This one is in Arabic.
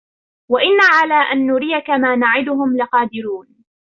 وَإِنَّا عَلَى أَنْ نُرِيَكَ مَا نَعِدُهُمْ لَقَادِرُونَ